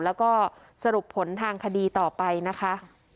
แล้วก็สรุปผลทางคดีต่อไปนะคะ